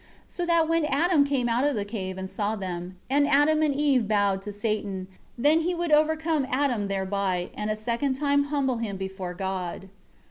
5 So that when Adam came out of the cave and saw them, and Adam and Eve bowed to Satan, then he would overcome Adam thereby, and a second time humble him before God.